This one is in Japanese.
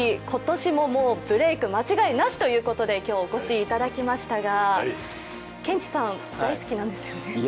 今年もブレーク間違いなしということで今日お越しいただきましたが、ケンチさん、大好きなんですよね？